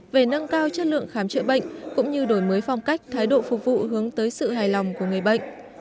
về nâng cao chất lượng khám chữa bệnh cũng như đổi mới phong cách thái độ phục vụ hướng tới sự hài lòng của người bệnh